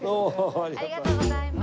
ありがとうございます。